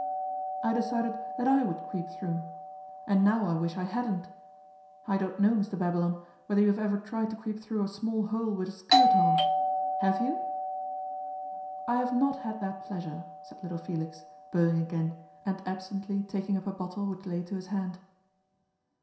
I decided that I would creep through, and now wish I hadn't. I don't know, Mr Babylon, whether you have ever tried to creep through a small hole with a skirt on. Have you?' 'I have not had that pleasure,' said little Felix, bowing again, and absently taking up a bottle which lay to his hand.